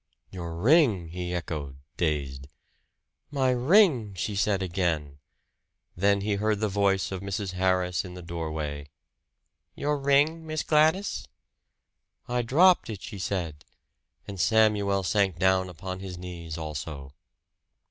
"Your ring!" he echoed, dazed. "My ring!" she said again; then he heard the voice of Mrs. Harris in the doorway. "Your ring, Miss Gladys?" "I dropped it," she said; and Samuel sank down upon his knees also.